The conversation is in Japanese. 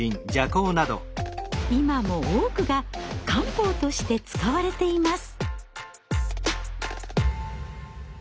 今も多くが漢方として使われています。